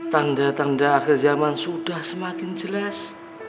tanda tanda akhir zaman sudah semakin jelas